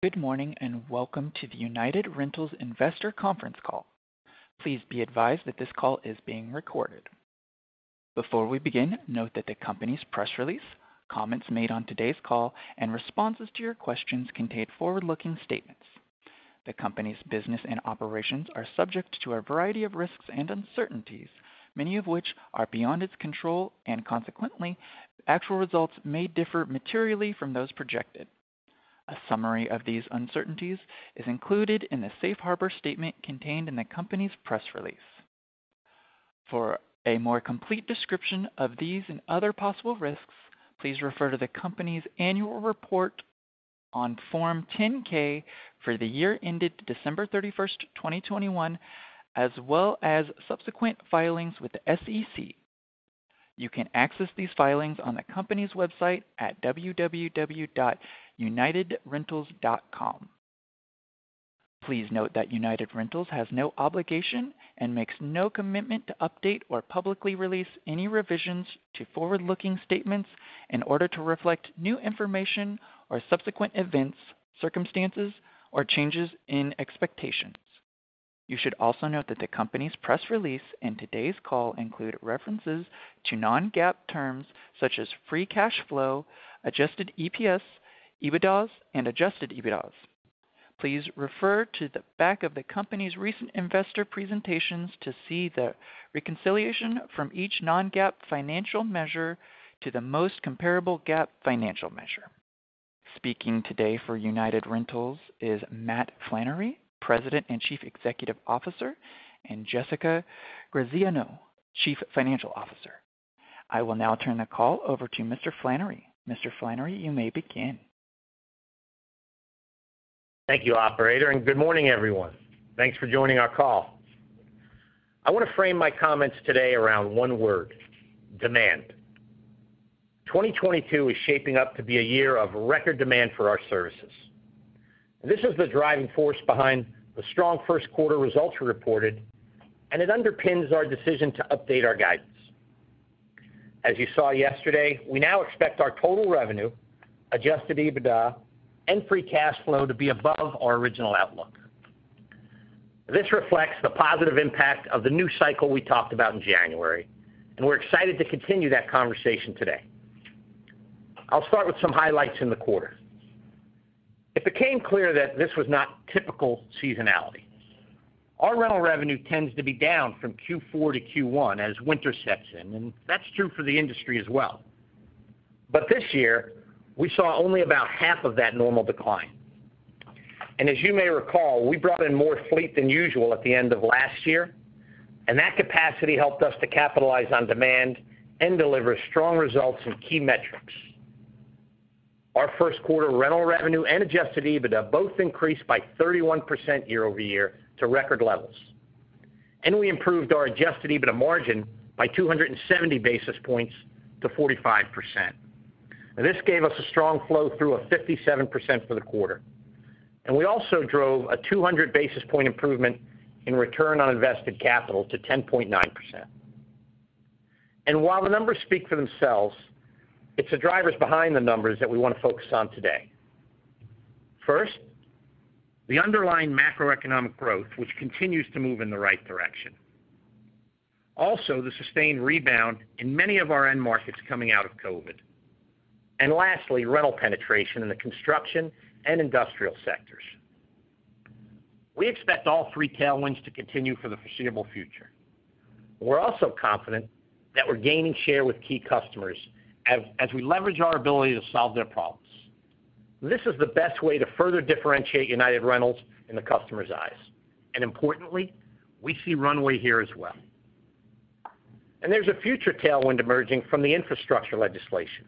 Good morning, and welcome to the United Rentals Investor Conference Call. Please be advised that this call is being recorded. Before we begin, note that the company's press release, comments made on today's call, and responses to your questions contain forward-looking statements. The company's business and operations are subject to a variety of risks and uncertainties, many of which are beyond its control, and consequently, actual results may differ materially from those projected. A summary of these uncertainties is included in the safe harbor statement contained in the company's press release. For a more complete description of these and other possible risks, please refer to the company's annual report on Form 10-K for the year ended December 31, 2021, as well as subsequent filings with the SEC. You can access these filings on the company's website at www.unitedrentals.com. Please note that United Rentals has no obligation and makes no commitment to update or publicly release any revisions to forward-looking statements in order to reflect new information or subsequent events, circumstances, or changes in expectations. You should also note that the company's press release in today's call include references to non-GAAP terms such as free cash flow, adjusted EPS, EBITDA, and adjusted EBITDA. Please refer to the back of the company's recent investor presentations to see the reconciliation from each non-GAAP financial measure to the most comparable GAAP financial measure. Speaking today for United Rentals is Matt Flannery, President and Chief Executive Officer, and Jessica Graziano, Chief Financial Officer. I will now turn the call over to Mr. Flannery. Mr. Flannery, you may begin. Thank you, operator, and good morning, everyone. Thanks for joining our call. I want to frame my comments today around one word, demand. 2022 is shaping up to be a year of record demand for our services. This is the driving force behind the strong first quarter results we reported, and it underpins our decision to update our guidance. As you saw yesterday, we now expect our total revenue, adjusted EBITDA, and free cash flow to be above our original outlook. This reflects the positive impact of the new cycle we talked about in January, and we're excited to continue that conversation today. I'll start with some highlights in the quarter. It became clear that this was not typical seasonality. Our rental revenue tends to be down from Q4 to Q1 as winter sets in, and that's true for the industry as well. This year, we saw only about half of that normal decline. As you may recall, we brought in more fleet than usual at the end of last year, and that capacity helped us to capitalize on demand and deliver strong results in key metrics. Our first quarter rental revenue and adjusted EBITDA both increased by 31% year-over-year to record levels. We improved our adjusted EBITDA margin by 270 basis points to 45%. This gave us a strong flow through of 57% for the quarter. We also drove a 200 basis point improvement in return on invested capital to 10.9%. While the numbers speak for themselves, it's the drivers behind the numbers that we want to focus on today. First, the underlying macroeconomic growth, which continues to move in the right direction. Also, the sustained rebound in many of our end markets coming out of COVID. Lastly, rental penetration in the construction and industrial sectors. We expect all three tailwinds to continue for the foreseeable future. We're also confident that we're gaining share with key customers as we leverage our ability to solve their problems. This is the best way to further differentiate United Rentals in the customer's eyes. Importantly, we see runway here as well. There's a future tailwind emerging from the infrastructure legislation.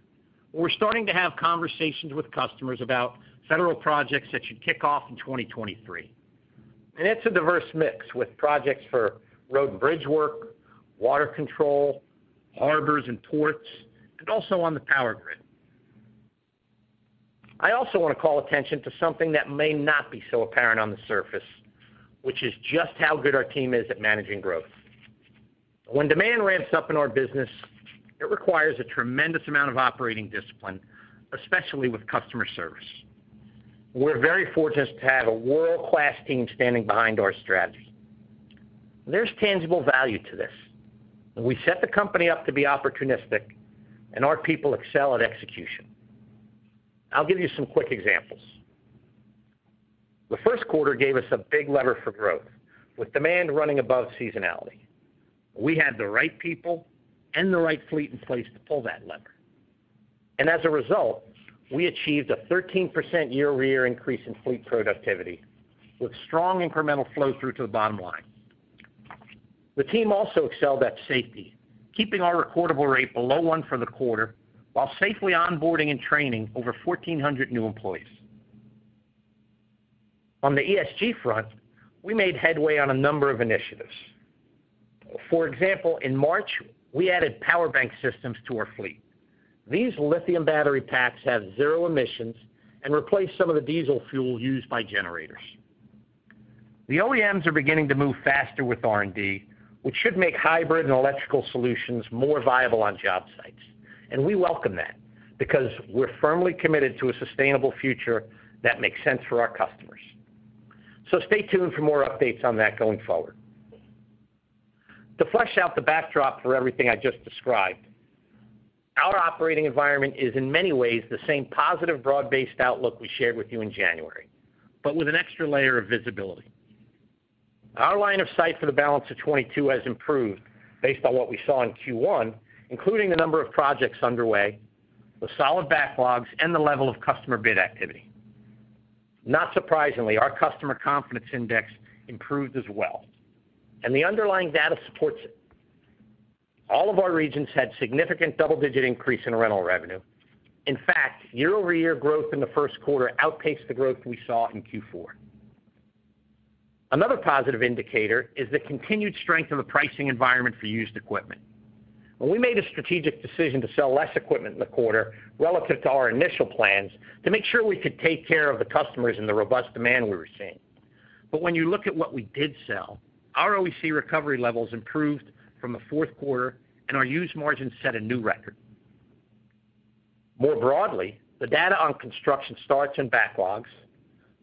We're starting to have conversations with customers about federal projects that should kick off in 2023. It's a diverse mix with projects for road and bridge work, water control, harbors and ports, and also on the power grid. I also want to call attention to something that may not be so apparent on the surface, which is just how good our team is at managing growth. When demand ramps up in our business, it requires a tremendous amount of operating discipline, especially with customer service. We're very fortunate to have a world-class team standing behind our strategy. There's tangible value to this. We set the company up to be opportunistic and our people excel at execution. I'll give you some quick examples. The first quarter gave us a big lever for growth with demand running above seasonality. We had the right people and the right fleet in place to pull that lever. As a result, we achieved a 13% year-over-year increase in fleet productivity with strong incremental flow through to the bottom line. The team also excelled at safety, keeping our recordable rate below 1 for the quarter while safely onboarding and training over 1,400 new employees. On the ESG front, we made headway on a number of initiatives. For example, in March, we added POWRBANK systems to our fleet. These lithium battery packs have zero emissions and replace some of the diesel fuel used by generators. The OEMs are beginning to move faster with R&D, which should make hybrid and electrical solutions more viable on job sites. We welcome that because we're firmly committed to a sustainable future that makes sense for our customers. Stay tuned for more updates on that going forward. To flesh out the backdrop for everything I just described, our operating environment is in many ways the same positive broad-based outlook we shared with you in January, but with an extra layer of visibility. Our line of sight for the balance of 2022 has improved based on what we saw in Q1, including the number of projects underway, the solid backlogs, and the level of customer bid activity. Not surprisingly, our customer confidence index improved as well. The underlying data supports it. All of our regions had significant double-digit increase in rental revenue. In fact, year-over-year growth in the first quarter outpaced the growth we saw in Q4. Another positive indicator is the continued strength of the pricing environment for used equipment. When we made a strategic decision to sell less equipment in the quarter relative to our initial plans to make sure we could take care of the customers and the robust demand we were seeing. But when you look at what we did sell, our OEC recovery levels improved from the fourth quarter, and our used margins set a new record. More broadly, the data on construction starts and backlogs,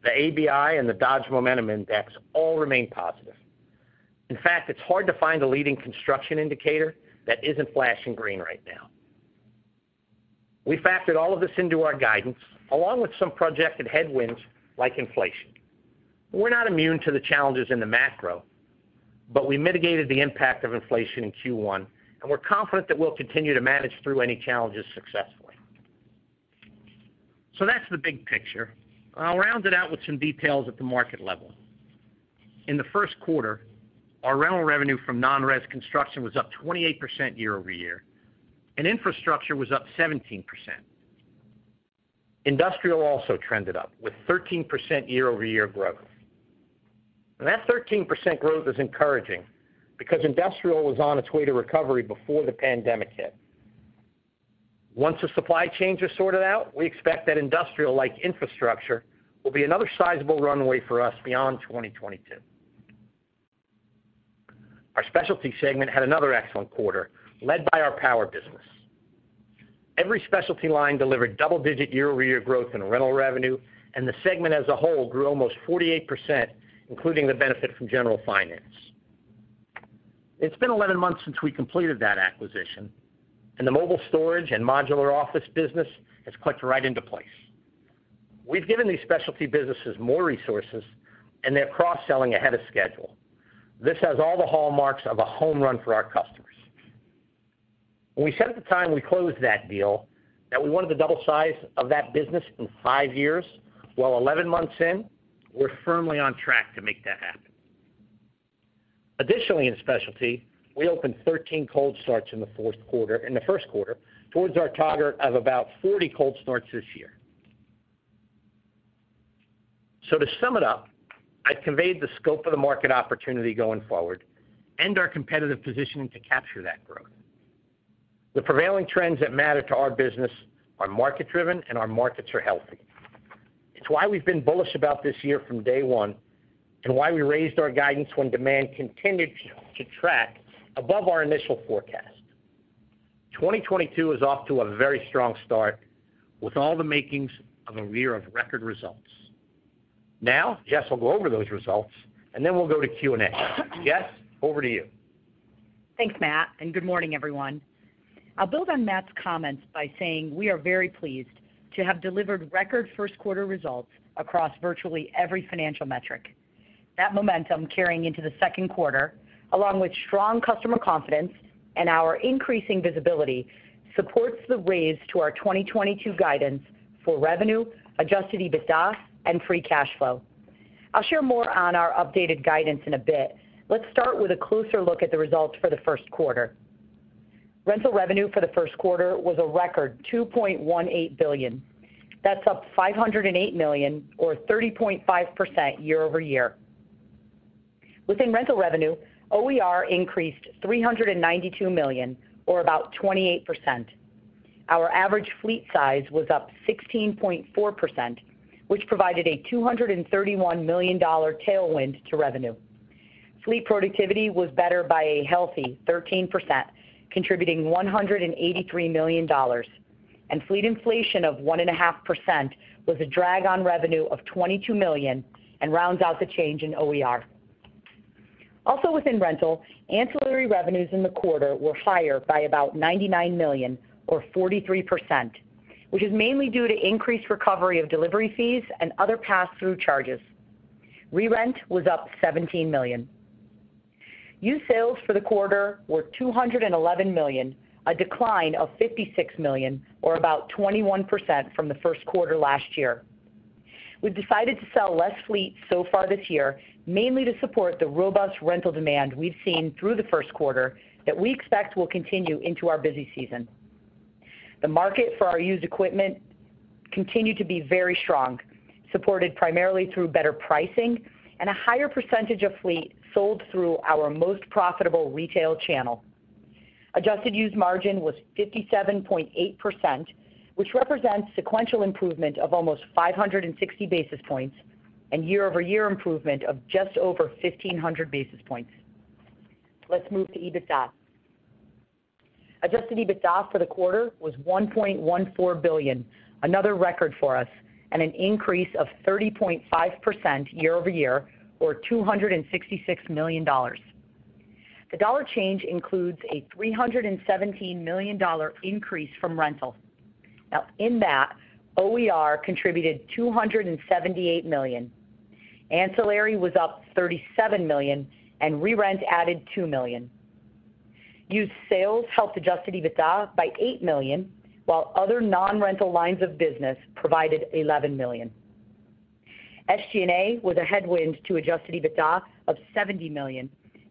the ABI and the Dodge Momentum Index all remain positive. In fact, it's hard to find a leading construction indicator that isn't flashing green right now. We factored all of this into our guidance, along with some projected headwinds like inflation. We're not immune to the challenges in the macro, but we mitigated the impact of inflation in Q1, and we're confident that we'll continue to manage through any challenges successfully. That's the big picture. I'll round it out with some details at the market level. In the first quarter, our rental revenue from non-res construction was up 28% year-over-year, and infrastructure was up 17%. Industrial also trended up with 13% year-over-year growth. That 13% growth is encouraging because industrial was on its way to recovery before the pandemic hit. Once the supply chains are sorted out, we expect that industrial-like infrastructure will be another sizable runway for us beyond 2022. Our specialty segment had another excellent quarter led by our power business. Every specialty line delivered double-digit year-over-year growth in rental revenue, and the segment as a whole grew almost 48%, including the benefit from General Finance. It's been 11 months since we completed that acquisition, and the mobile storage and modular office business has clicked right into place. We've given these specialty businesses more resources, and they're cross-selling ahead of schedule. This has all the hallmarks of a home run for our customers. When we said at the time we closed that deal that we wanted to double size of that business in five years, well, 11 months in, we're firmly on track to make that happen. Additionally, in specialty, we opened 13 cold starts in the first quarter towards our target of about 40 cold starts this year. To sum it up, I've conveyed the scope of the market opportunity going forward and our competitive positioning to capture that growth. The prevailing trends that matter to our business are market-driven, and our markets are healthy. It's why we've been bullish about this year from day one and why we raised our guidance when demand continued to track above our initial forecast. 2022 is off to a very strong start with all the makings of a year of record results. Now, Jessica will go over those results, and then we'll go to Q&A. Jessica, over to you. Thanks, Matt, and good morning, everyone. I'll build on Matt's comments by saying we are very pleased to have delivered record first quarter results across virtually every financial metric. That momentum carrying into the second quarter, along with strong customer confidence and our increasing visibility, supports the raise to our 2022 guidance for revenue, adjusted EBITDA and free cash flow. I'll share more on our updated guidance in a bit. Let's start with a closer look at the results for the first quarter. Rental revenue for the first quarter was a record $2.18 billion. That's up $508 million or 30.5% year-over-year. Within rental revenue, OER increased $392 million or about 28%. Our average fleet size was up 16.4%, which provided a $231 million dollar tailwind to revenue. Fleet productivity was better by a healthy 13%, contributing $183 million, and fleet inflation of 1.5% was a drag on revenue of $22 million and rounds out the change in OER. Also within rental, ancillary revenues in the quarter were higher by about $99 million or 43%, which is mainly due to increased recovery of delivery fees and other pass-through charges. Rerent was up $17 million. Used sales for the quarter were $211 million, a decline of $56 million, or about 21% from the first quarter last year. We've decided to sell less fleet so far this year, mainly to support the robust rental demand we've seen through the first quarter that we expect will continue into our busy season. The market for our used equipment continued to be very strong, supported primarily through better pricing and a higher percentage of fleet sold through our most profitable retail channel. Adjusted used margin was 57.8%, which represents sequential improvement of almost 560 basis points and year-over-year improvement of just over 1,500 basis points. Let's move to EBITDA. Adjusted EBITDA for the quarter was $1.14 billion, another record for us, and an increase of 30.5% year-over-year or $266 million. The dollar change includes a $317 million increase from rental. Now, in that, OER contributed $278 million. Ancillary was up $37 million, and re-rent added $2 million. Used sales helped adjusted EBITDA by $8 million, while other non-rental lines of business provided $11 million. SG&A was a headwind to adjusted EBITDA of $70 million,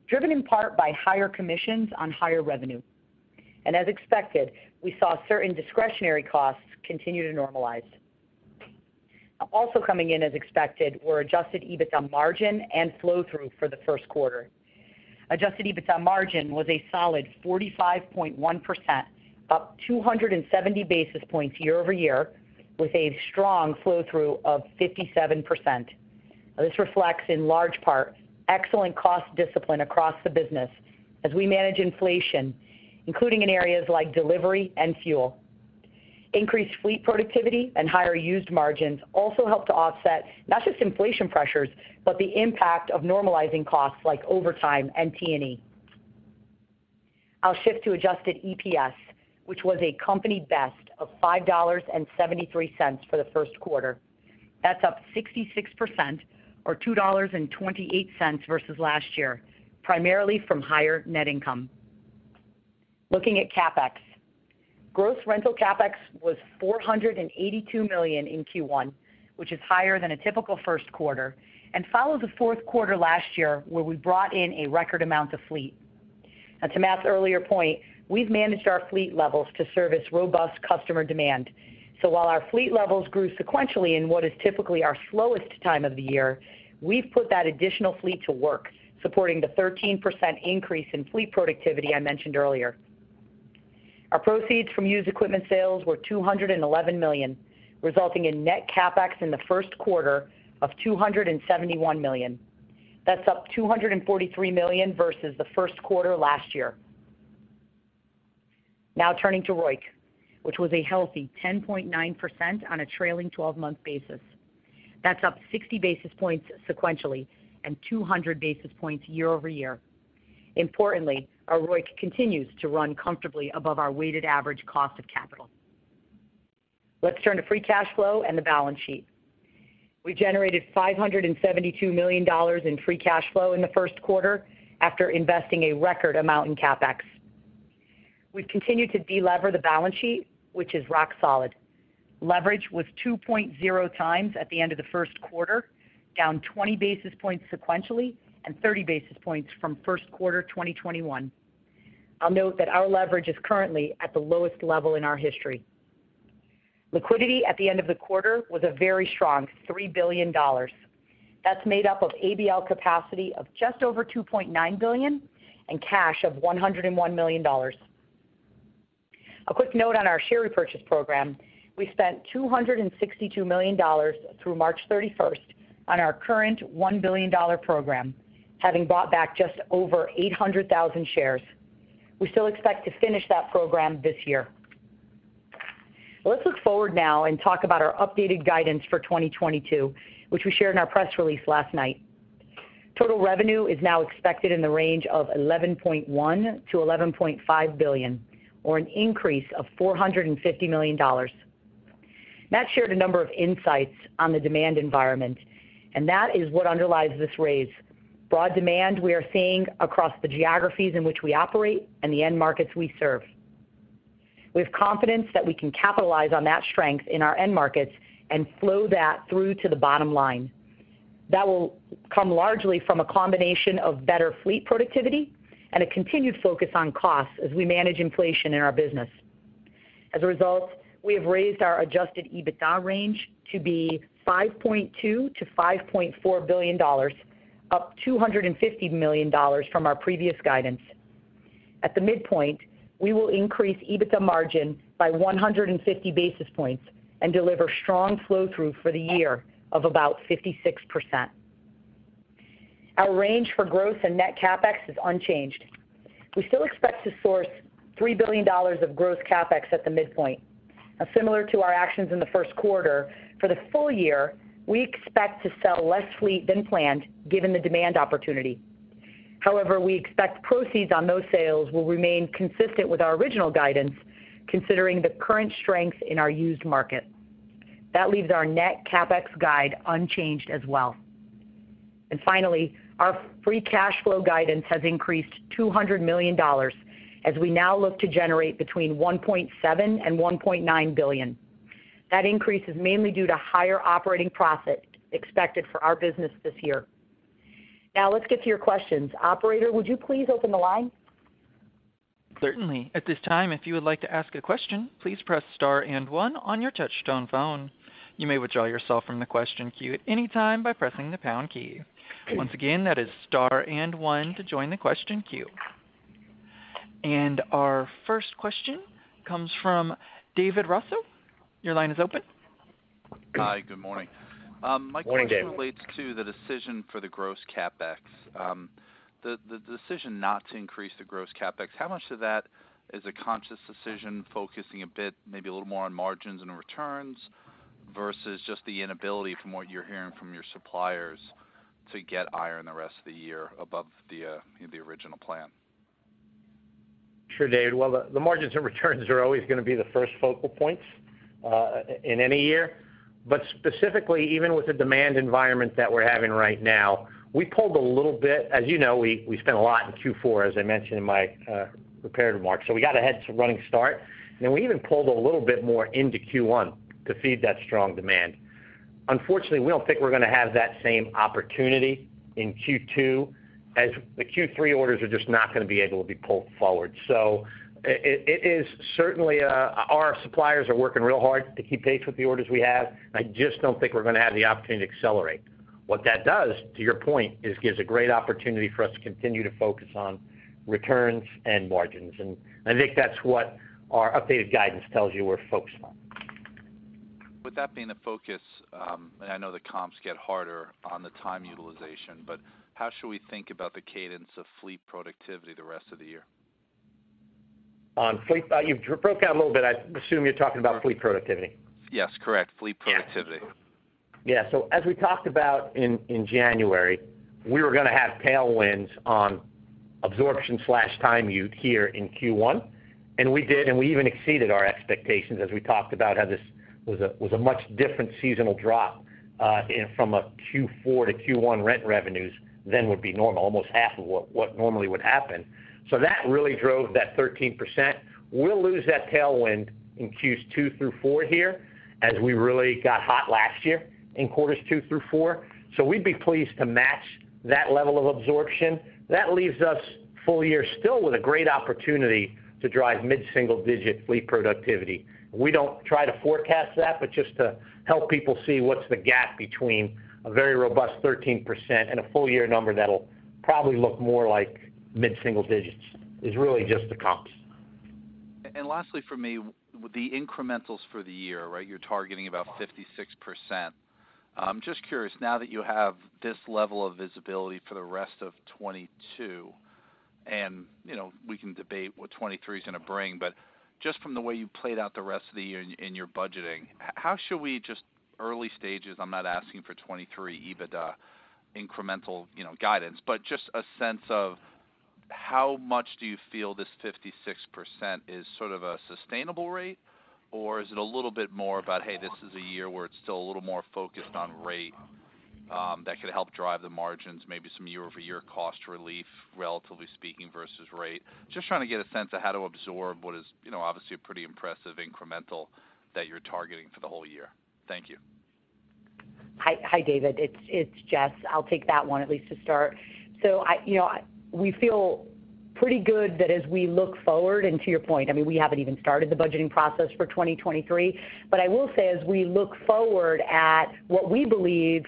driven in part by higher commissions on higher revenue. As expected, we saw certain discretionary costs continue to normalize. Also coming in as expected were adjusted EBITDA margin and flow-through for the first quarter. Adjusted EBITDA margin was a solid 45.1%, up 270 basis points year-over-year, with a strong flow-through of 57%. Now, this reflects, in large part, excellent cost discipline across the business as we manage inflation, including in areas like delivery and fuel. Increased fleet productivity and higher used margins also helped to offset not just inflation pressures, but the impact of normalizing costs like overtime and T&E. I'll shift to adjusted EPS, which was a company best of $5.73 for the first quarter. That's up 66% or $2.28 versus last year, primarily from higher net income. Looking at CapEx. Gross rental CapEx was $482 million in Q1, which is higher than a typical first quarter and follows a fourth quarter last year where we brought in a record amount of fleet. Now to Matt's earlier point, we've managed our fleet levels to service robust customer demand. While our fleet levels grew sequentially in what is typically our slowest time of the year, we've put that additional fleet to work, supporting the 13% increase in fleet productivity I mentioned earlier. Our proceeds from used equipment sales were $211 million, resulting in net CapEx in the first quarter of $271 million. That's up $243 million versus the first quarter last year. Now turning to ROIC, which was a healthy 10.9% on a trailing twelve-month basis. That's up 60 basis points sequentially and 200 basis points year-over-year. Importantly, our ROIC continues to run comfortably above our weighted average cost of capital. Let's turn to free cash flow and the balance sheet. We generated $572 million in free cash flow in the first quarter after investing a record amount in CapEx. We've continued to delever the balance sheet, which is rock solid. Leverage was 2.0x at the end of the first quarter, down 20 basis points sequentially and 30 basis points from first quarter 2021. I'll note that our leverage is currently at the lowest level in our history. Liquidity at the end of the quarter was a very strong $3 billion. That's made up of ABL capacity of just over $2.9 billion and cash of $101 million. A quick note on our share repurchase program. We spent $262 million through March 31st on our current $1 billion program, having bought back just over 800,000 shares. We still expect to finish that program this year. Let's look forward now and talk about our updated guidance for 2022, which we shared in our press release last night. Total revenue is now expected in the range of $11.1 billion-$11.5 billion, or an increase of $450 million. Matt shared a number of insights on the demand environment, and that is what underlies this raise. Broad demand we are seeing across the geographies in which we operate and the end markets we serve. We have confidence that we can capitalize on that strength in our end markets and flow that through to the bottom line. That will come largely from a combination of better fleet productivity and a continued focus on costs as we manage inflation in our business. As a result, we have raised our adjusted EBITDA range to $5.2 billion-$5.4 billion, up $250 million from our previous guidance. At the midpoint, we will increase EBITDA margin by 150 basis points and deliver strong flow-through for the year of about 56%. Our range for growth and net CapEx is unchanged. We still expect to source $3 billion of growth CapEx at the midpoint. Now, similar to our actions in the first quarter, for the full year, we expect to sell less fleet than planned given the demand opportunity. However, we expect proceeds on those sales will remain consistent with our original guidance, considering the current strength in our used market. That leaves our net CapEx guide unchanged as well. And finally, our free cash flow guidance has increased $200 million as we now look to generate between $1.7 billion and $1.9 billion. That increase is mainly due to higher operating profit expected for our business this year. Now let's get to your questions. Operator, would you please open the line? Certainly. At this time, if you would like to ask a question, please press star and one on your touchtone phone. You may withdraw yourself from the question queue at any time by pressing the pound key. Once again, that is star and one to join the question queue. Our first question comes from David Raso. Your line is open. Hi, good morning. Morning, David. My question relates to the decision for the gross CapEx. The decision not to increase the gross CapEx. How much of that is a conscious decision focusing a bit, maybe a little more on margins and returns versus just the inability from what you're hearing from your suppliers to get higher in the rest of the year above the original plan? Sure, David. Well, the margins and returns are always gonna be the first focal points in any year. Specifically, even with the demand environment that we're having right now, we pulled a little bit. As you know, we spent a lot in Q4, as I mentioned in my prepared remarks, so we got a head start. We even pulled a little bit more into Q1 to feed that strong demand. Unfortunately, we don't think we're gonna have that same opportunity in Q2, as the Q3 orders are just not gonna be able to be pulled forward. It is certainly our suppliers are working real hard to keep pace with the orders we have, and I just don't think we're gonna have the opportunity to accelerate. What that does, to your point, is gives a great opportunity for us to continue to focus on returns and margins. I think that's what our updated guidance tells you we're focused on. With that being the focus, and I know the comps get harder on the time utilization, but how should we think about the cadence of fleet productivity the rest of the year? On fleet, you broke down a little bit. I assume you're talking about fleet productivity. Yes, correct. Fleet productivity. Yeah, as we talked about in January, we were gonna have tailwinds on absorption/time utilization here in Q1. We did, and we even exceeded our expectations as we talked about how this was a much different seasonal drop from a Q4 to Q1 rent revenues than would be normal, almost half of what normally would happen. That really drove that 13%. We'll lose that tailwind in Qs two through four here, as we really got hot last year in quarters two through four. We'd be pleased to match that level of absorption. That leaves us full-year still with a great opportunity to drive mid-single-digit fleet productivity. We don't try to forecast that, but just to help people see what's the gap between a very robust 13% and a full year number that'll probably look more like mid-single digits is really just the comps. Lastly for me, the incrementals for the year, right? You're targeting about 56%. Just curious, now that you have this level of visibility for the rest of 2022, and, you know, we can debate what 2023 is gonna bring, but just from the way you played out the rest of the year in your budgeting, how should we just early stages, I'm not asking for 2023 EBITDA incremental, you know, guidance, but just a sense of how much do you feel this 56% is sort of a sustainable rate? Or is it a little bit more about, hey, this is a year where it's still a little more focused on rate that could help drive the margins, maybe some year-over-year cost relief, relatively speaking, versus rate. Just trying to get a sense of how to absorb what is, you know, obviously a pretty impressive incremental that you're targeting for the whole year. Thank you. Hi. Hi, David. It's Jess. I'll take that one at least to start. You know, we feel pretty good that as we look forward, and to your point, I mean, we haven't even started the budgeting process for 2023. I will say as we look forward at what we believe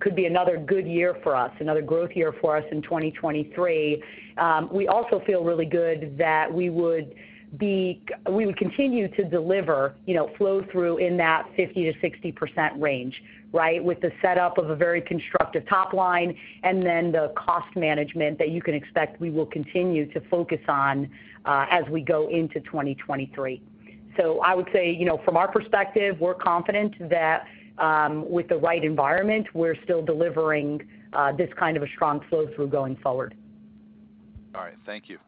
could be another good year for us, another growth year for us in 2023, we also feel really good that we would continue to deliver, you know, flow through in that 50%-60% range, right? With the setup of a very constructive top line and then the cost management that you can expect we will continue to focus on as we go into 2023. I would say, you know, from our perspective, we're confident that with the right environment, we're still delivering this kind of a strong flow through going forward. All right. Thank you.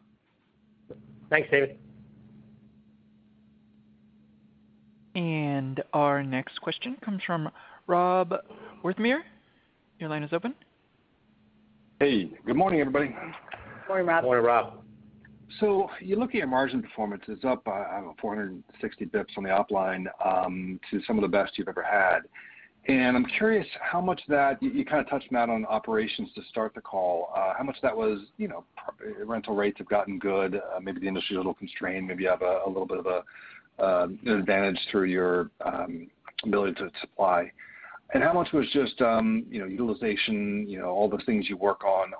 Thanks, David. Our next question comes from Rob Wertheimer. Your line is open. Hey, good morning, everybody. Morning, Rob. Morning, Rob. You're looking at margin performance is up 460 basis points on the upside to some of the best you've ever had. I'm curious how much that. You kind of touched on that on operations to start the call. How much that was, rental rates have gotten good. Maybe the industry a little constrained. Maybe you have a little bit of a advantage through your ability to supply. How much was just utilization, all the things you work on,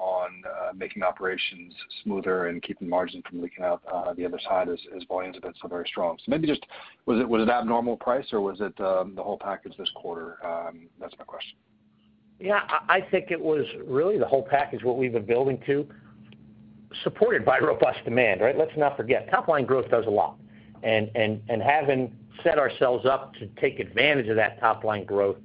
making operations smoother and keeping margin from leaking out the other side as volume's been so very strong. Maybe just was it, was it abnormal pricing or was it the whole package this quarter? That's my question. Yeah. I think it was really the whole package, what we've been building to, supported by robust demand, right? Let's not forget, top line growth does a lot. Having set ourselves up to take advantage of that top line growth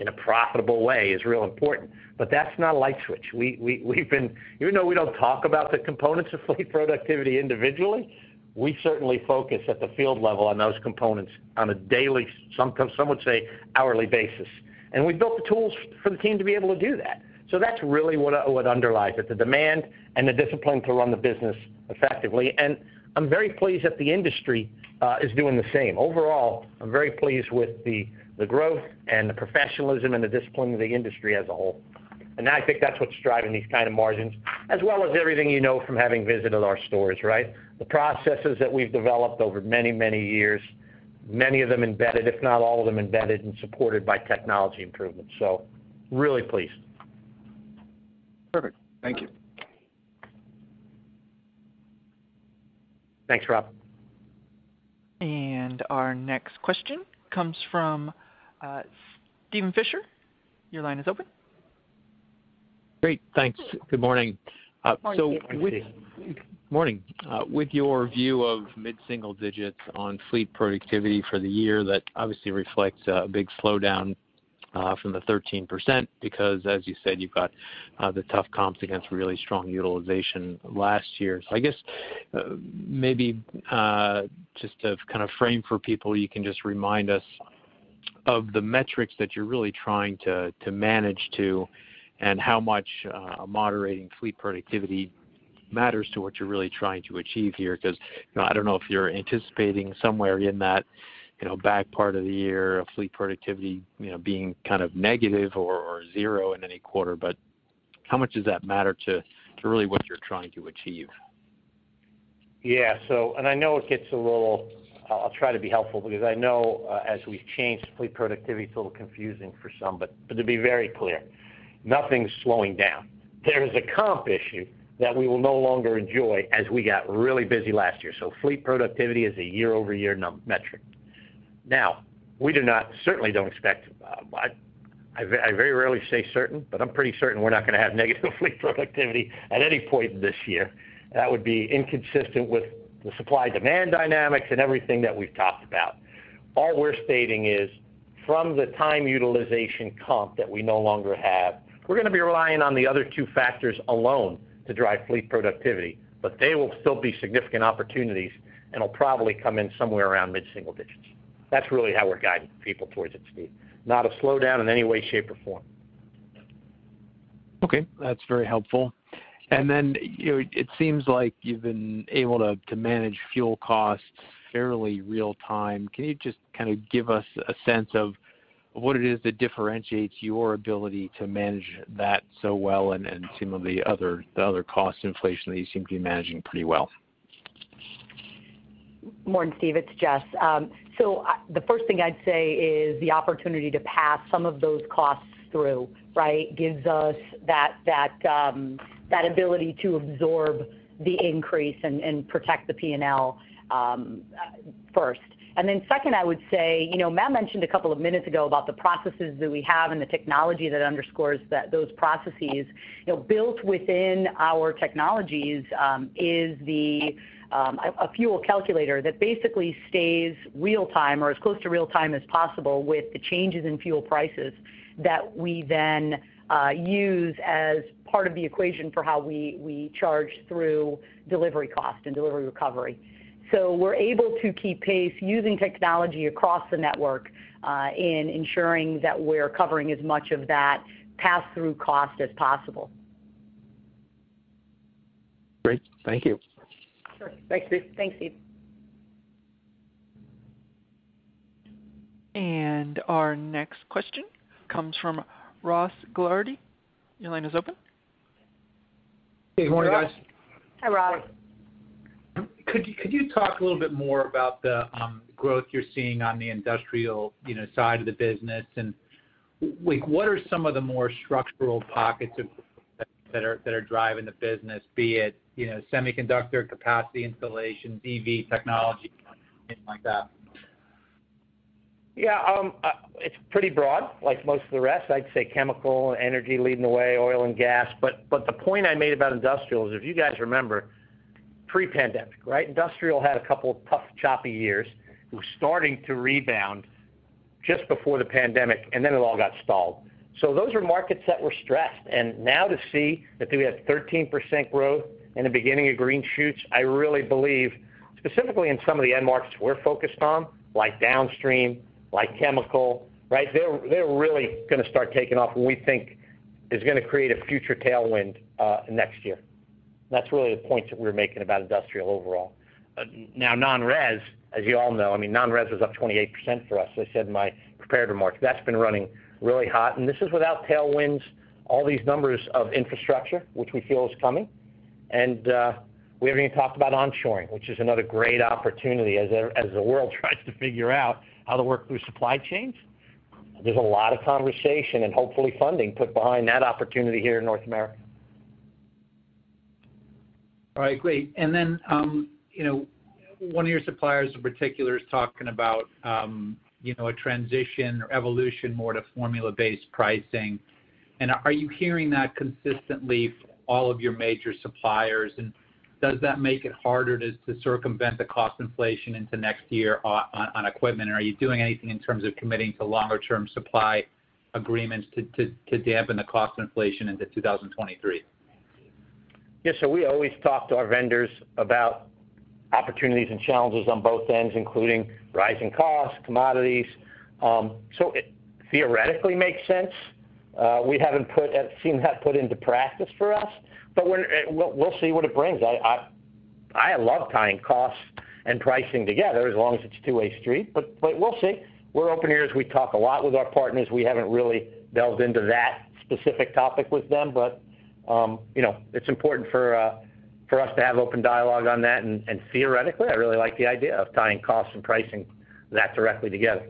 in a profitable way is real important. That's not a light switch. We've been even though we don't talk about the components of fleet productivity individually, we certainly focus at the field level on those components on a daily, some would say hourly basis. We built the tools for the team to be able to do that. That's really what underlies it, the demand and the discipline to run the business effectively. I'm very pleased that the industry is doing the same. Overall, I'm very pleased with the growth and the professionalism and the discipline of the industry as a whole. I think that's what's driving these kind of margins, as well as everything you know from having visited our stores, right? The processes that we've developed over many, many years, many of them embedded, if not all of them embedded and supported by technology improvements. Really pleased. Perfect. Thank you. Thanks, Rob. Our next question comes from Steven Fisher. Your line is open. Great. Thanks. Good morning. Morning, Steve. Morning. With your view of mid-single digits on fleet productivity for the year, that obviously reflects a big slowdown from the 13% because as you said, you've got the tough comps against really strong utilization last year. I guess, maybe, just to kind of frame for people, you can just remind us of the metrics that you're really trying to manage to and how much moderating fleet productivity matters to what you're really trying to achieve here because, you know, I don't know if you're anticipating somewhere in that, you know, back part of the year of fleet productivity, you know, being kind of negative or zero in any quarter. How much does that matter to really what you're trying to achieve? Yeah. I know it gets a little. I'll try to be helpful because I know, as we've changed fleet productivity, it's a little confusing for some. To be very clear, nothing's slowing down. There is a comp issue that we will no longer enjoy as we got really busy last year. Fleet productivity is a year-over-year metric. Now, we certainly don't expect. I very rarely say certain, but I'm pretty certain we're not going to have negative fleet productivity at any point this year. That would be inconsistent with the supply-demand dynamics and everything that we've talked about. All we're stating is from the time utilization comp that we no longer have, we're going to be relying on the other two factors alone to drive fleet productivity, but they will still be significant opportunities, and it'll probably come in somewhere around mid-single digits. That's really how we're guiding people towards it, Steven. Not a slowdown in any way, shape, or form. Okay, that's very helpful. You know, it seems like you've been able to manage fuel costs fairly real time. Can you just kind of give us a sense of what it is that differentiates your ability to manage that so well and some of the other cost inflation that you seem to be managing pretty well? Morning, Steven, it's Jessica. The first thing I'd say is the opportunity to pass some of those costs through, right? Gives us that ability to absorb the increase and protect the P&L first. Second, I would say, you know, Matt mentioned a couple of minutes ago about the processes that we have and the technology that underscores those processes. You know, built within our technologies is a fuel calculator that basically stays real time or as close to real time as possible with the changes in fuel prices that we then use as part of the equation for how we charge through delivery cost and delivery recovery. We're able to keep pace using technology across the network in ensuring that we're covering as much of that pass-through cost as possible. Great. Thank you. Sure. Thanks, Steve. Thanks, Steve. Our next question comes from Ross Gilardi. Your line is open. Hey, good morning, guys. Hi. Hi, Ross. Could you talk a little bit more about the growth you're seeing on the industrial, you know, side of the business? Like, what are some of the more structural pockets of that that are driving the business, be it, you know, semiconductor capacity installation, EV technology, things like that? Yeah, it's pretty broad like most of the rest. I'd say chemical, energy leading the way, oil and gas. But the point I made about industrial is if you guys remember pre-pandemic, right, industrial had a couple of tough, choppy years. It was starting to rebound just before the pandemic, and then it all got stalled. Those are markets that were stressed. Now to see that we have 13% growth and the beginning of green shoots, I really believe specifically in some of the end markets we're focused on, like downstream, like chemical, right? They're really going to start taking off, and we think it's going to create a future tailwind, next year. That's really the point that we're making about industrial overall. Now, non-res, as you all know, I mean, non-res is up 28% for us. As I said in my prepared remarks, that's been running really hot, and this is without tailwinds. All these numbers of infrastructure, which we feel is coming. We haven't even talked about onshoring, which is another great opportunity as the world tries to figure out how to work through supply chains. There's a lot of conversation and hopefully funding put behind that opportunity here in North America. All right, great. Then, you know, one of your suppliers in particular is talking about, you know, a transition or evolution more to formula-based pricing. Are you hearing that consistently from all of your major suppliers? Does that make it harder to circumvent the cost inflation into next year on equipment? Are you doing anything in terms of committing to longer-term supply agreements to dampen the cost inflation into 2023? Yeah. We always talk to our vendors about opportunities and challenges on both ends, including rising costs, commodities. It theoretically makes sense. We haven't seen that put into practice for us, but we'll see what it brings. I love tying costs and pricing together as long as it's a two-way street. We'll see. We're all ears. We talk a lot with our partners. We haven't really delved into that specific topic with them. You know, it's important for us to have open dialogue on that. Theoretically, I really like the idea of tying costs and pricing that directly together.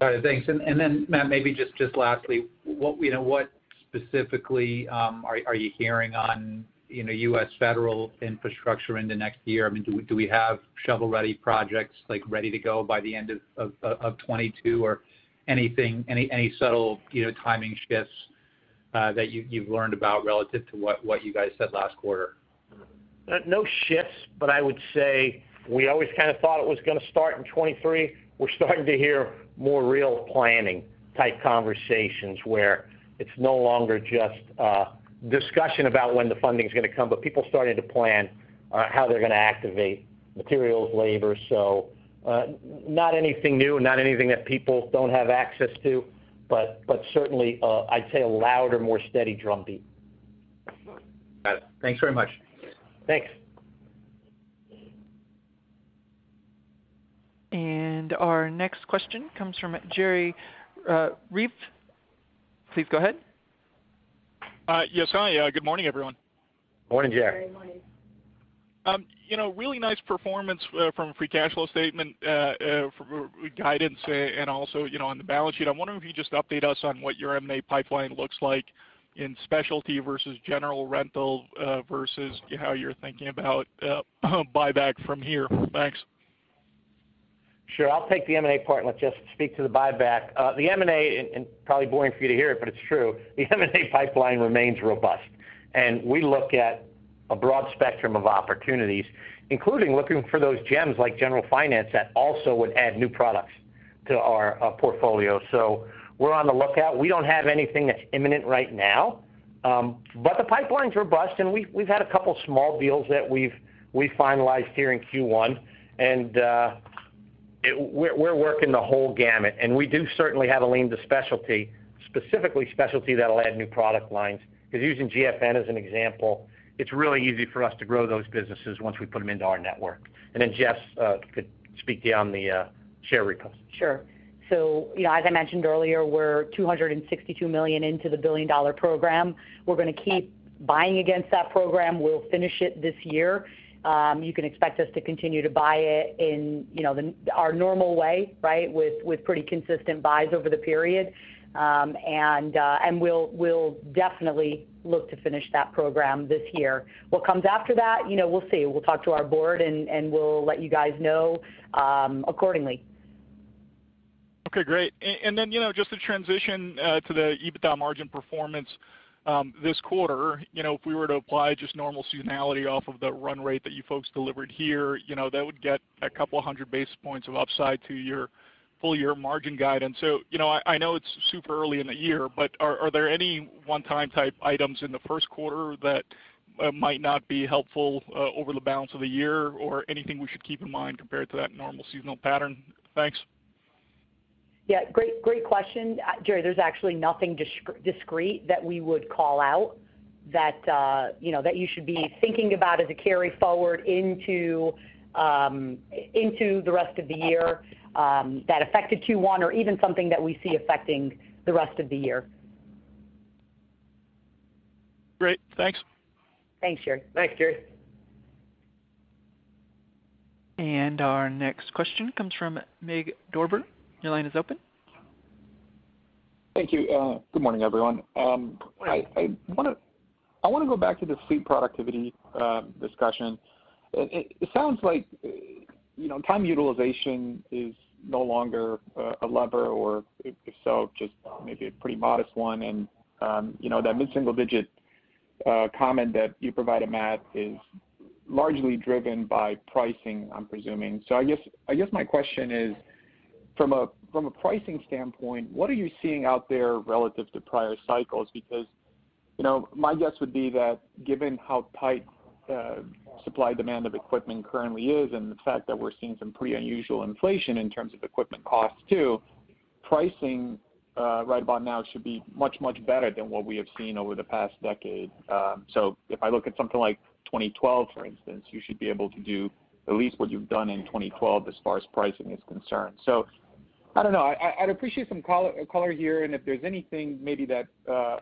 All right. Thanks. Then Matt, maybe just lastly, what you know, what specifically are you hearing on, you know, U.S. federal infrastructure into next year? I mean, do we have shovel-ready projects like ready to go by the end of 2022 or anything, any subtle, you know, timing shifts that you've learned about relative to what you guys said last quarter? No shifts, but I would say we always kind of thought it was gonna start in 2023. We're starting to hear more real planning type conversations where it's no longer just a discussion about when the funding's gonna come, but people starting to plan on how they're gonna activate materials, labor. Not anything new, not anything that people don't have access to, but certainly, I'd say a louder, more steady drumbeat. Got it. Thanks very much. Thanks. Our next question comes from Jerry Revich. Please go ahead. Yes. Hi. Good morning, everyone. Morning, Jerry. Good morning. You know, really nice performance from a free cash flow statement for guidance and also, you know, on the balance sheet. I wonder if you just update us on what your M&A pipeline looks like in specialty versus general rental versus how you're thinking about buyback from here. Thanks. Sure. I'll take the M&A part, and let Jess speak to the buyback. The M&A, and probably boring for you to hear it, but it's true. The M&A pipeline remains robust. We look at a broad spectrum of opportunities, including looking for those gems like General Finance that also would add new products to our portfolio. We're on the lookout. We don't have anything that's imminent right now. But the pipeline's robust, and we've had a couple small deals that we've finalized here in Q1. We're working the whole gamut, and we do certainly have a lean to specialty, specifically specialty that'll add new product lines. Because using GFN as an example, it's really easy for us to grow those businesses once we put them into our network. Jess could speak to you on the share repurchase. Sure. You know, as I mentioned earlier, we're $262 million into the billion-dollar program. We're gonna keep buying against that program. We'll finish it this year. You can expect us to continue to buy it in, you know, our normal way, right? With pretty consistent buys over the period. And we'll definitely look to finish that program this year. What comes after that, you know, we'll see. We'll talk to our board and we'll let you guys know accordingly. Okay, great. You know, just to transition to the EBITDA margin performance this quarter. You know, if we were to apply just normal seasonality off of the run rate that you folks delivered here, you know, that would get a couple hundred basis points of upside to your full year margin guidance. You know, I know it's super early in the year, but are there any one-time type items in the first quarter that might not be helpful over the balance of the year or anything we should keep in mind compared to that normal seasonal pattern? Thanks. Yeah, great question. Jerry, there's actually nothing discrete that we would call out that, you know, that you should be thinking about as a carry forward into the rest of the year, that affected Q1 or even something that we see affecting the rest of the year. Great. Thanks. Thanks, Jerry. Thanks, Jerry. Our next question comes from Mig Dobre. Your line is open. Thank you. Good morning, everyone. I want to go back to the fleet productivity discussion. It sounds like, you know, time utilization is no longer a lever or if so, just maybe a pretty modest one. You know, that mid-single digit comment that you provided, Matt, is largely driven by pricing, I'm presuming. I guess my question is, from a pricing standpoint, what are you seeing out there relative to prior cycles? Because, you know, my guess would be that given how tight supply demand of equipment currently is and the fact that we're seeing some pretty unusual inflation in terms of equipment costs too, pricing right about now should be much, much better than what we have seen over the past decade. If I look at something like 2012, for instance, you should be able to do at least what you've done in 2012 as far as pricing is concerned. I don't know, I'd appreciate some color here and if there's anything maybe that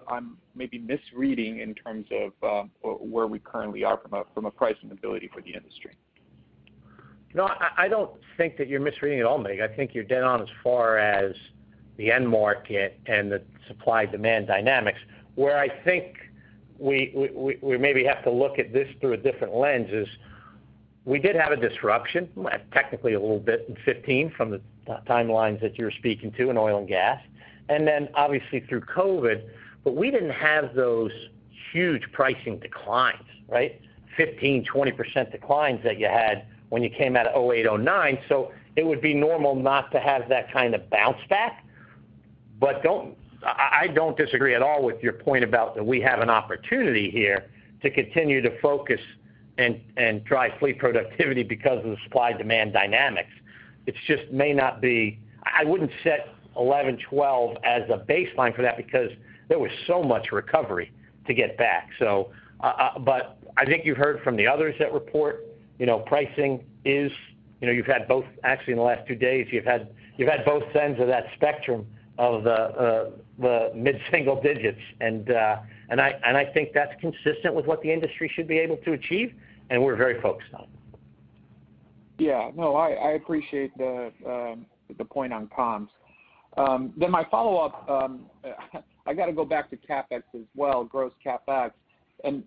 I'm maybe misreading in terms of where we currently are from a pricing ability for the industry. No, I don't think that you're misreading at all, Mig. I think you're dead on as far as the end market and the supply demand dynamics. Where I think we maybe have to look at this through a different lens is we did have a disruption, technically a little bit in 2015 from the timelines that you're speaking to in oil and gas, and then obviously through COVID, but we didn't have those huge pricing declines, right? 15%-20% declines that you had when you came out of 2008, 2009. It would be normal not to have that kind of bounce back. I don't disagree at all with your point about that we have an opportunity here to continue to focus and drive fleet productivity because of the supply demand dynamics. It just may not be. I wouldn't set 2011, 2012 as a baseline for that because there was so much recovery to get back. I think you've heard from the others that report, you know, pricing is, you know, you've had both actually in the last two days. You've had both ends of that spectrum of the mid-single digits. I think that's consistent with what the industry should be able to achieve, and we're very focused on it. Yeah. No, I appreciate the point on comps. My follow-up, I got to go back to CapEx as well, gross CapEx.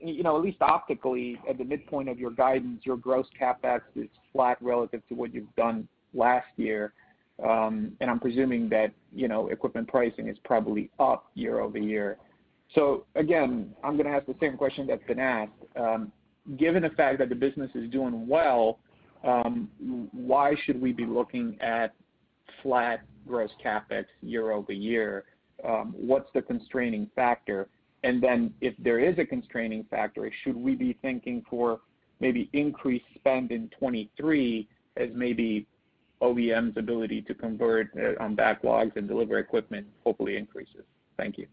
You know, at least optically, at the midpoint of your guidance, your gross CapEx is flat relative to what you've done last year. I'm presuming that, you know, equipment pricing is probably up year-over-year. Again, I'm gonna ask the same question that's been asked. Given the fact that the business is doing well, why should we be looking at flat gross CapEx year-over-year? What's the constraining factor? If there is a constraining factor, should we be thinking for maybe increased spend in 2023 as maybe OEM's ability to convert on backlogs and deliver equipment hopefully increases? Thank you.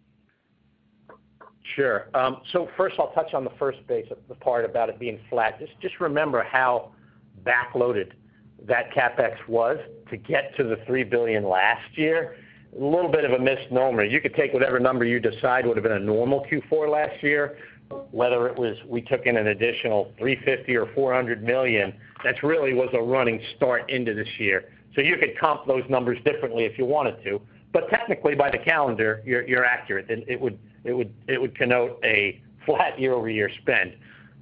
Sure. First I'll touch on the first base, the part about it being flat. Just remember how backloaded that CapEx was to get to the $3 billion last year. A little bit of a misnomer. You could take whatever number you decide would have been a normal Q4 last year, whether it was we took in an additional $350 million or $400 million, that really was a running start into this year. You could comp those numbers differently if you wanted to. But technically, by the calendar, you're accurate. It would connote a flat year-over-year spend.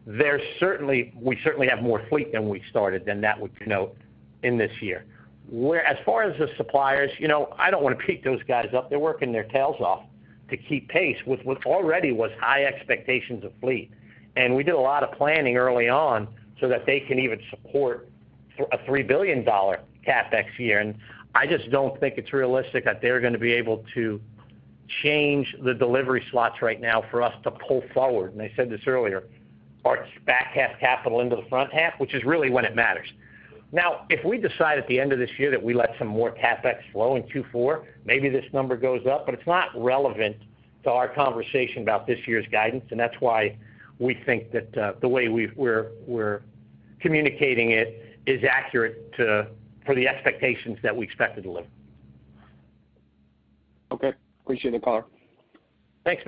We certainly have more fleet than we started than that would connote in this year. Where as far as the suppliers, you know, I don't want to pick those guys up. They're working their tails off to keep pace with what already was high expectations of fleet. We did a lot of planning early on so that they can even support for a $3 billion CapEx year. I just don't think it's realistic that they're gonna be able to change the delivery slots right now for us to pull forward, and I said this earlier, our back half CapEx into the front half, which is really when it matters. Now, if we decide at the end of this year that we let some more CapEx flow in Q4, maybe this number goes up, but it's not relevant to our conversation about this year's guidance, and that's why we think that, the way we're communicating it is accurate for the expectations that we expect to deliver. Okay. Appreciate the color. Thanks,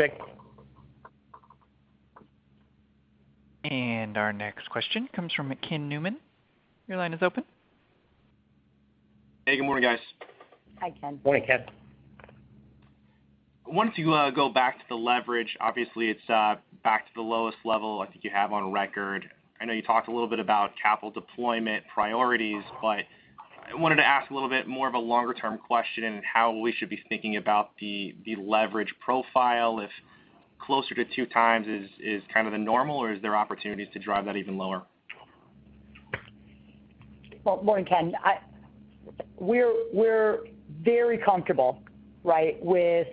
Mig. Our next question comes from Ken Newman. Your line is open. Hey, good morning, guys. Hi, Ken. Morning, Ken. I wanted to go back to the leverage. Obviously, it's back to the lowest level I think you have on record. I know you talked a little bit about capital deployment priorities, but I wanted to ask a little bit more of a longer-term question, how we should be thinking about the leverage profile if closer to 2x is kind of the normal, or is there opportunities to drive that even lower? Well, morning, Ken. We're very comfortable, right, with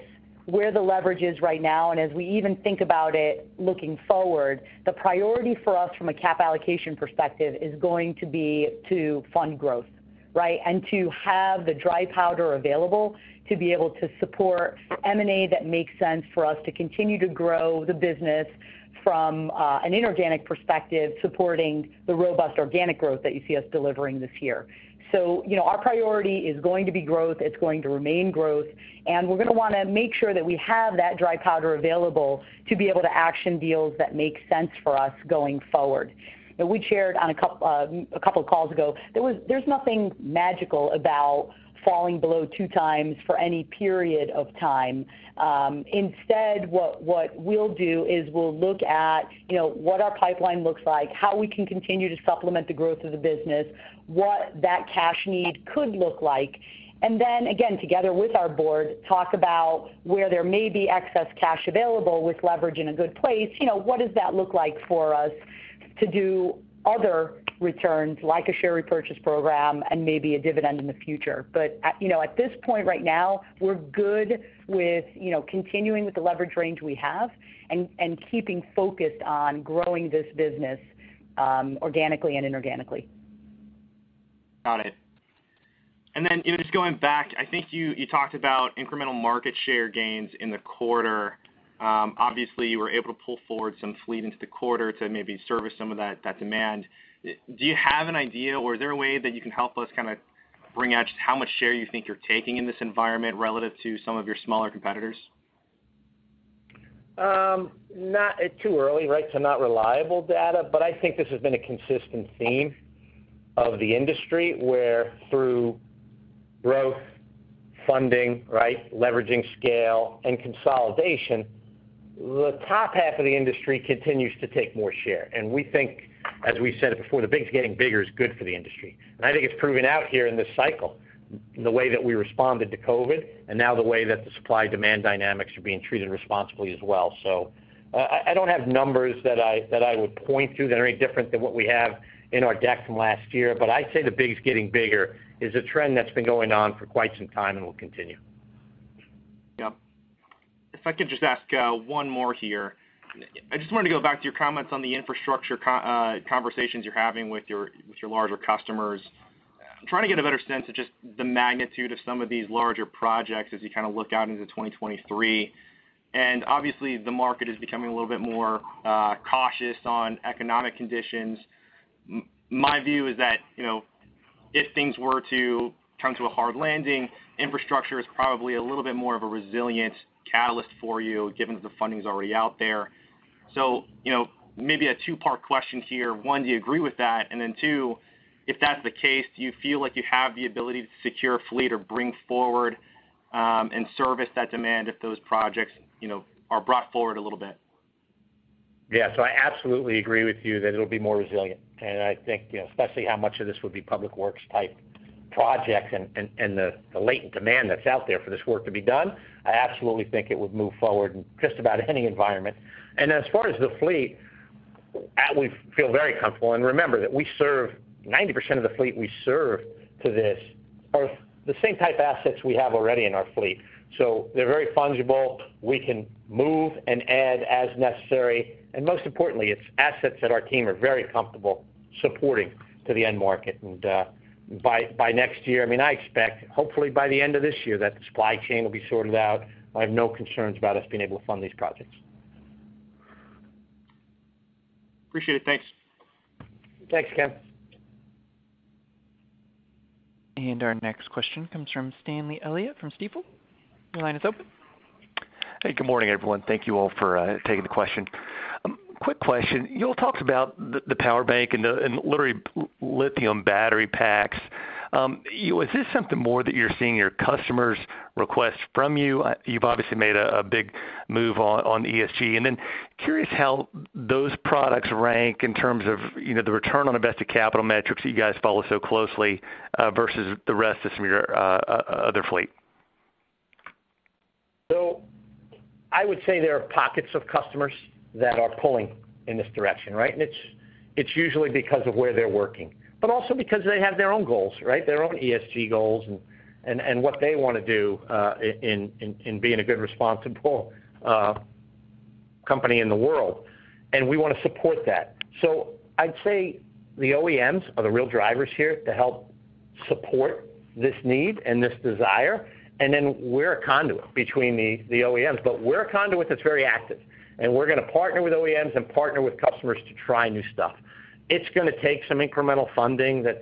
where the leverage is right now. As we even think about it looking forward, the priority for us from a capital allocation perspective is going to be to fund growth, right? To have the dry powder available to be able to support M&A that makes sense for us to continue to grow the business from an inorganic perspective, supporting the robust organic growth that you see us delivering this year. You know, our priority is going to be growth, it's going to remain growth, and we're gonna wanna make sure that we have that dry powder available to be able to action deals that make sense for us going forward. Now, we shared on a couple of calls ago, there's nothing magical about falling below 2x for any period of time. Instead, what we'll do is we'll look at, you know, what our pipeline looks like, how we can continue to supplement the growth of the business, what that cash need could look like. Then again, together with our board, talk about where there may be excess cash available with leverage in a good place. You know, what does that look like for us to do other returns, like a share repurchase program and maybe a dividend in the future. At, you know, at this point right now, we're good with, you know, continuing with the leverage range we have and keeping focused on growing this business, organically and inorganically. Got it. Then, you know, just going back, I think you talked about incremental market share gains in the quarter. Obviously, you were able to pull forward some fleet into the quarter to maybe service some of that demand. Do you have an idea, or is there a way that you can help us kinda bring out just how much share you think you're taking in this environment relative to some of your smaller competitors? It's too early, right, so not reliable data, but I think this has been a consistent theme of the industry, where through growth, funding, right, leveraging scale and consolidation, the top half of the industry continues to take more share. We think, as we said it before, the big is getting bigger is good for the industry. I think it's proven out here in this cycle, the way that we responded to COVID, and now the way that the supply-demand dynamics are being treated responsibly as well. I don't have numbers that I would point to that are any different than what we have in our deck from last year. I'd say the big is getting bigger is a trend that's been going on for quite some time and will continue. Yeah. If I could just ask one more here. I just wanted to go back to your comments on the infrastructure conversations you're having with your larger customers. I'm trying to get a better sense of just the magnitude of some of these larger projects as you kind of look out into 2023. Obviously, the market is becoming a little bit more cautious on economic conditions. My view is that, you know, if things were to come to a hard landing, infrastructure is probably a little bit more of a resilient catalyst for you, given that the funding is already out there. You know, maybe a two-part question here. One, do you agree with that? Two, if that's the case, do you feel like you have the ability to secure a fleet or bring forward, and service that demand if those projects, you know, are brought forward a little bit? Yeah. I absolutely agree with you that it'll be more resilient. I think, you know, especially how much of this would be public works type projects and the latent demand that's out there for this work to be done, I absolutely think it would move forward in just about any environment. As far as the fleet, that we feel very comfortable. Remember that we serve 90% of the fleet we serve. These are the same type assets we have already in our fleet. So they're very fungible. We can move and add as necessary. Most importantly, it's assets that our team are very comfortable supporting to the end market. By next year, I mean, I expect hopefully by the end of this year that the supply chain will be sorted out. I have no concerns about us being able to fund these projects. Appreciate it. Thanks. Thanks, Ken. Our next question comes from Stanley Elliott from Stifel. Your line is open. Hey, good morning, everyone. Thank you all for taking the question. Quick question. You all talked about the power bank and literally lithium battery packs. Is this something more that you're seeing your customers request from you? You've obviously made a big move on ESG. Curious how those products rank in terms of, you know, the return on invested capital metrics that you guys follow so closely versus the rest of some of your other fleet. I would say there are pockets of customers that are pulling in this direction, right? It's usually because of where they're working, but also because they have their own goals, right? Their own ESG goals and what they wanna do in being a good responsible company in the world, and we wanna support that. I'd say the OEMs are the real drivers here to help support this need and this desire. We're a conduit between the OEMs, but we're a conduit that's very active, and we're gonna partner with OEMs and partner with customers to try new stuff. It's gonna take some incremental funding that's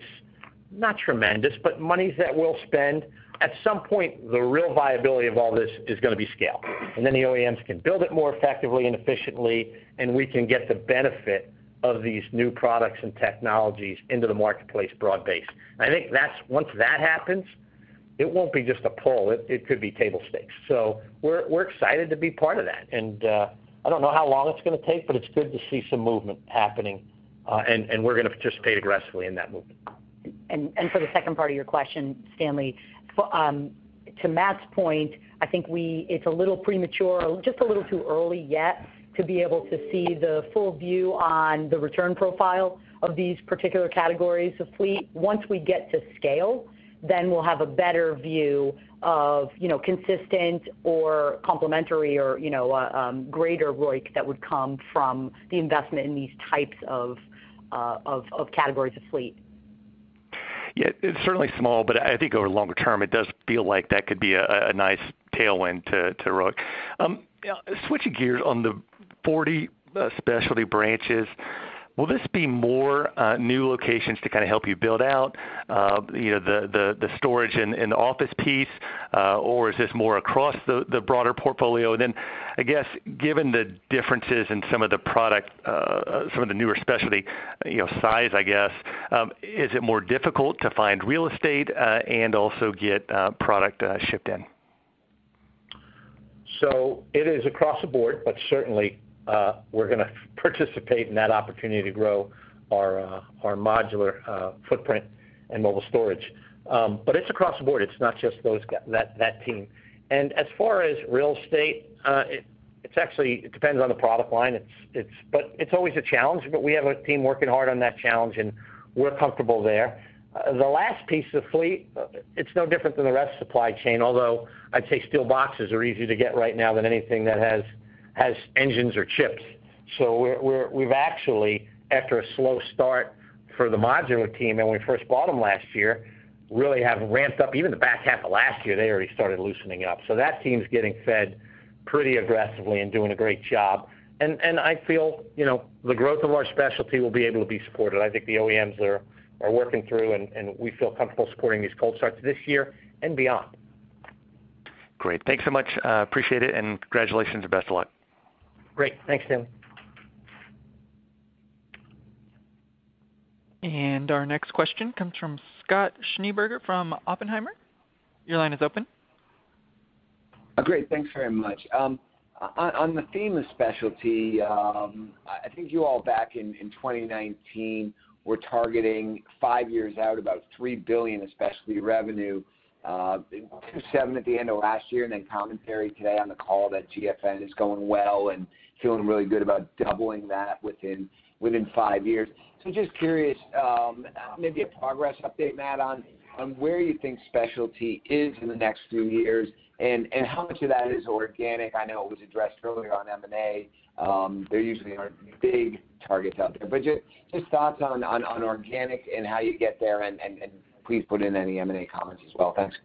not tremendous, but monies that we'll spend. At some point, the real viability of all this is gonna be scale. The OEMs can build it more effectively and efficiently, and we can get the benefit of these new products and technologies into the marketplace broad-based. I think that's once that happens, it won't be just a pull. It could be table stakes. We're excited to be part of that. I don't know how long it's gonna take, but it's good to see some movement happening, and we're gonna participate aggressively in that movement. For the second part of your question, Stanley, for to Matt's point, I think it's a little premature or just a little too early yet to be able to see the full view on the return profile of these particular categories of fleet. Once we get to scale, then we'll have a better view of, you know, consistent or complementary or, you know, greater ROIC that would come from the investment in these types of categories of fleet. Yeah. It's certainly small, but I think over longer term, it does feel like that could be a nice tailwind to ROIC. Switching gears on the 40 specialty branches, will this be more new locations to kinda help you build out you know the storage and the office piece or is this more across the broader portfolio? I guess, given the differences in some of the product some of the newer specialty you know size, I guess, is it more difficult to find real estate and also get product shipped in? It is across the board, but certainly, we're gonna participate in that opportunity to grow our modular footprint and mobile storage. It's across the board. It's not just that team. As far as real estate, it's actually, it depends on the product line. It's always a challenge, but we have a team working hard on that challenge, and we're comfortable there. The last piece of fleet, it's no different than the rest of supply chain, although I'd say steel boxes are easier to get right now than anything that has engines or chips. We've actually, after a slow start for the modular team when we first bought them last year, really have ramped up even the back half of last year, they already started loosening it up. That team's getting fed pretty aggressively and doing a great job. I feel, you know, the growth of our specialty will be able to be supported. I think the OEMs are working through, and we feel comfortable supporting these cold starts this year and beyond. Great. Thanks so much. Appreciate it, and congratulations and best of luck. Great. Thanks, Stanley. Our next question comes from Scott Schneeberger from Oppenheimer. Your line is open. Great. Thanks very much. On the theme of specialty, I think you all back in 2019 were targeting 5 years out about $3 billion of specialty revenue, $7 billion at the end of last year, and then commentary today on the call that GFN is going well and feeling really good about doubling that within 5 years. Just curious, maybe a progress update, Matt, on where you think specialty is in the next few years and how much of that is organic. I know it was addressed earlier on M&A. There usually aren't big targets out there. Just thoughts on organic and how you get there, and please put in any M&A comments as well. Thanks.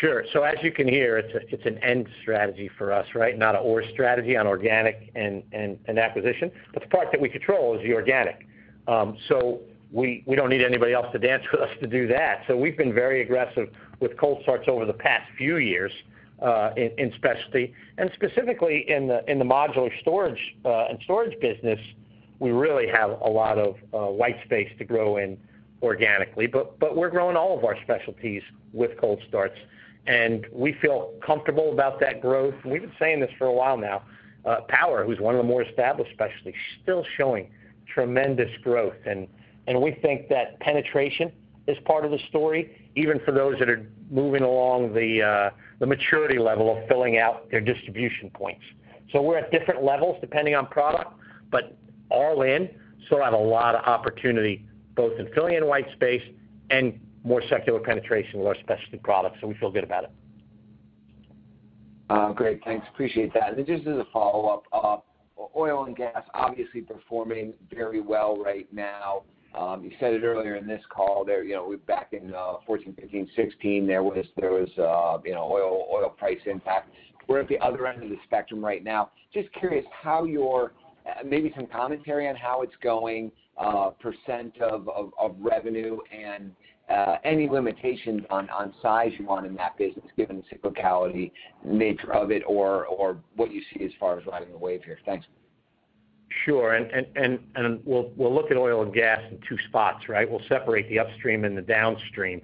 Sure. As you can hear, it's an and strategy for us, right? Not a or strategy on organic and acquisition. The part that we control is the organic, so we don't need anybody else to dance with us to do that. We've been very aggressive with cold starts over the past few years in specialty, and specifically in the modular storage and storage business. We really have a lot of white space to grow in organically. We're growing all of our specialties with cold starts, and we feel comfortable about that growth. We've been saying this for a while now. Power, who's one of the more established specialties, still showing tremendous growth. We think that penetration is part of the story, even for those that are moving along the maturity level of filling out their distribution points. We're at different levels depending on product, but all in, still have a lot of opportunity both in filling in white space and more secular penetration with our specialty products, so we feel good about it. Great. Thanks, appreciate that. Just as a follow-up, oil and gas obviously performing very well right now. You said it earlier in this call there, you know, back in 2014, 2015, 2016, there was oil price impact. We're at the other end of the spectrum right now. Just curious maybe some commentary on how it's going, percent of revenue and any limitations on size you want in that business given the cyclical nature of it or what you see as far as riding the wave here. Thanks. Sure. We'll look at oil and gas in two spots, right? We'll separate the upstream and the downstream.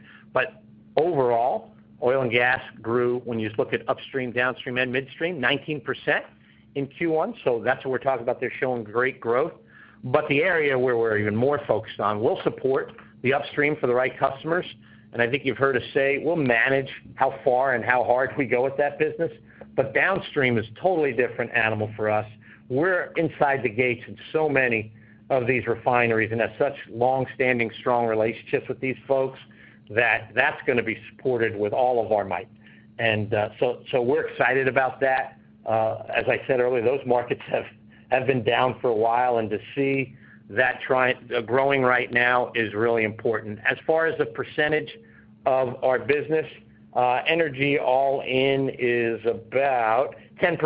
Overall, oil and gas grew, when you look at upstream, downstream, and midstream, 19% in Q1, so that's what we're talking about there, showing great growth. The area where we're even more focused on, we'll support the upstream for the right customers, and I think you've heard us say we'll manage how far and how hard we go with that business. Downstream is a totally different animal for us. We're inside the gates of so many of these refineries and have such longstanding, strong relationships with these folks that that's gonna be supported with all of our might. We're excited about that. As I said earlier, those markets have been down for a while, and to see that growing right now is really important. As far as the percentage of our business, energy all in is about 10%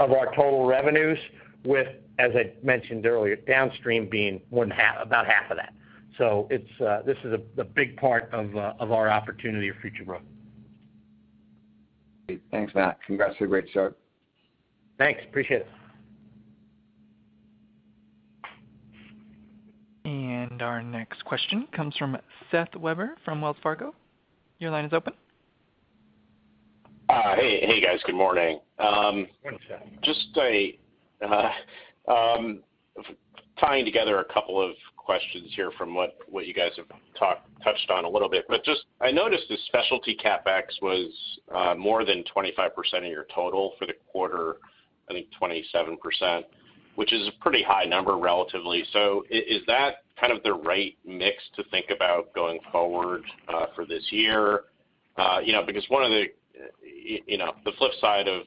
of our total revenues with, as I mentioned earlier, downstream being about half of that. It's this is a big part of our opportunity of future growth. Great. Thanks, Matt. Congrats on a great start. Thanks. Appreciate it. Our next question comes from Seth Weber from Wells Fargo. Your line is open. Hey. Hey, guys, good morning. Morning, Seth. Just a tying together a couple of questions here from what you guys have touched on a little bit. I noticed the specialty CapEx was more than 25% of your total for the quarter. I think 27%, which is a pretty high number relatively. Is that kind of the right mix to think about going forward for this year? You know, because one of the you know, the flip side of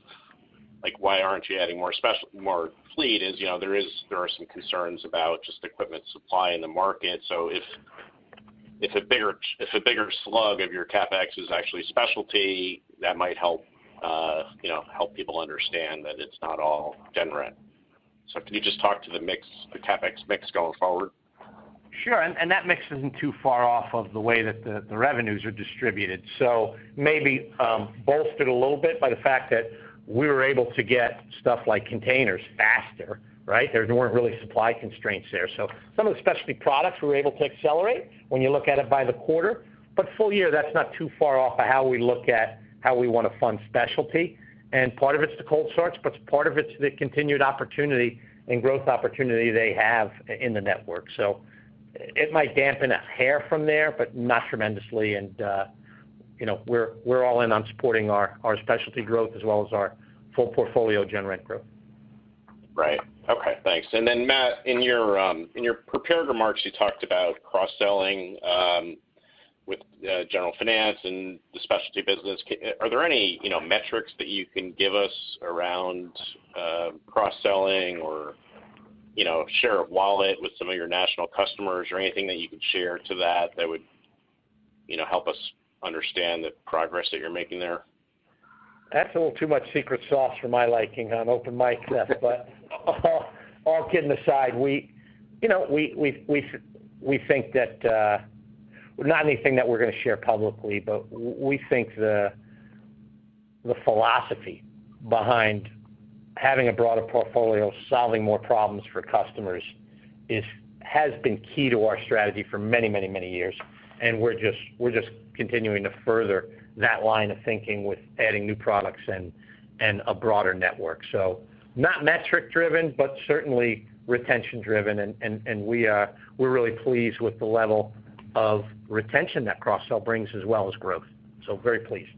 like, why aren't you adding more fleet is, you know, there are some concerns about just equipment supply in the market. If a bigger slug of your CapEx is actually specialty, that might help you know, help people understand that it's not all gen rent. Can you just talk to the mix, the CapEx mix going forward? Sure. That mix isn't too far off of the way that the revenues are distributed. Maybe bolstered a little bit by the fact that we were able to get stuff like containers faster, right? There weren't really supply constraints there. Some of the specialty products we were able to accelerate when you look at it by the quarter. Full year, that's not too far off of how we look at how we wanna fund specialty. Part of it's the cold starts, but part of it's the continued opportunity and growth opportunity they have in the network. It might dampen a hair from there, but not tremendously. You know, we're all in on supporting our specialty growth as well as our full portfolio gen rent growth. Right. Okay, thanks. Then Matt, in your prepared remarks you talked about cross-selling with General Finance and the specialty business. Are there any, you know, metrics that you can give us around cross-selling or, you know, share of wallet with some of your national customers or anything that you could share to that that would, you know, help us understand the progress that you're making there? That's a little too much secret sauce for my liking on open mic, Seth. But all kidding aside, you know, we think that not anything that we're gonna share publicly, but we think the philosophy behind having a broader portfolio, solving more problems for customers has been key to our strategy for many years, and we're just continuing to further that line of thinking with adding new products and a broader network. Not metric driven, but certainly retention driven. We're really pleased with the level of retention that cross-sell brings as well as growth. Very pleased.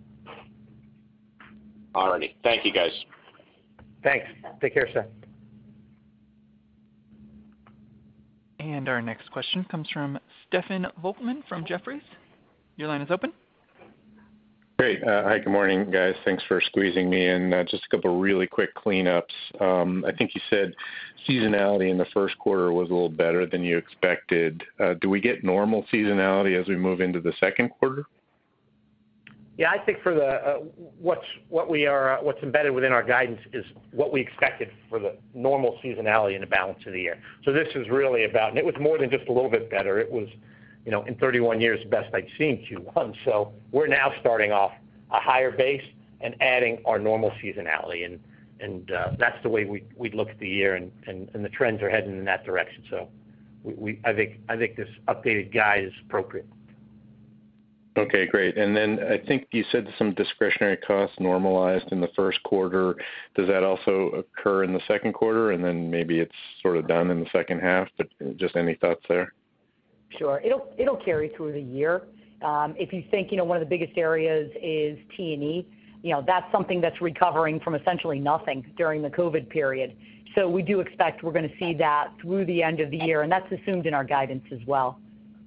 All righty. Thank you, guys. Thanks. Take care, Seth. Our next question comes from Stephen Volkmann from Jefferies. Your line is open. Great. Hi, good morning, guys. Thanks for squeezing me in. Just a couple really quick cleanups. I think you said seasonality in the first quarter was a little better than you expected. Do we get normal seasonality as we move into the second quarter? I think what's embedded within our guidance is what we expected for the normal seasonality in the balance of the year. This is really about, and it was more than just a little bit better. It was, you know, in 31 years, the best I'd seen Q1. We're now starting off a higher base and adding our normal seasonality. That's the way we'd look at the year, and the trends are heading in that direction. I think this updated guide is appropriate. Okay, great. I think you said some discretionary costs normalized in the first quarter. Does that also occur in the second quarter? Maybe it's sort of done in the second half, but just any thoughts there? Sure. It'll carry through the year. If you think, you know, one of the biggest areas is T&E. You know, that's something that's recovering from essentially nothing during the COVID period. We do expect we're gonna see that through the end of the year, and that's assumed in our guidance as well.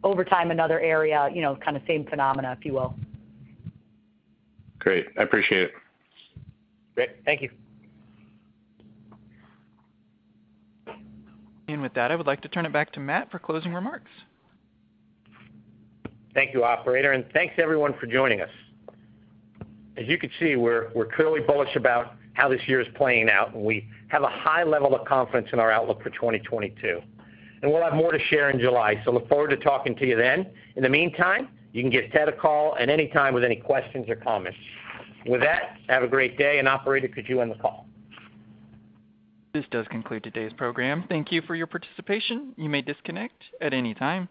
Over time, another area, you know, kind of same phenomena, if you will. Great. I appreciate it. Great. Thank you. With that, I would like to turn it back to Matt for closing remarks. Thank you, operator, and thanks everyone for joining us. As you can see, we're clearly bullish about how this year is playing out, and we have a high level of confidence in our outlook for 2022. We'll have more to share in July, so look forward to talking to you then. In the meantime, you can give Ted a call at any time with any questions or comments. With that, have a great day, and operator, could you end the call? This does conclude today's program. Thank you for your participation. You may disconnect at any time.